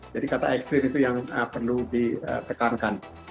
jadi kata ekstrim itu yang perlu ditekankan